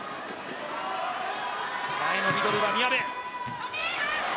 前のミドルは宮部。